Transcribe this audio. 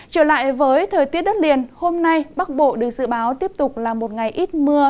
trở lại với thời tiết đất liền hôm nay bắc bộ được dự báo tiếp tục là một ngày ít mưa